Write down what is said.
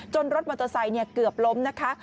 จนรถมอเตอร์ไซค์เนี่ยเกือบล้มนะคะ